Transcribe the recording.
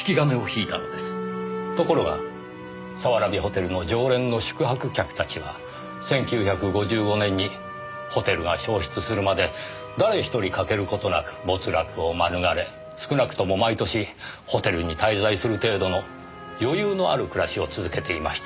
ところが早蕨ホテルの常連の宿泊客たちは１９５５年にホテルが焼失するまで誰ひとり欠ける事なく没落を免れ少なくとも毎年ホテルに滞在する程度の余裕のある暮らしを続けていました。